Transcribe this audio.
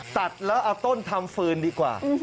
ตัดแล้วเอาต้นทำฟืนดีกว่า